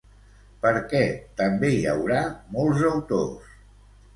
Per què també hi haurà molts autors?